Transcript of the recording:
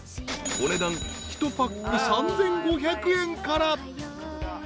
［お値段１パック３，５００円から］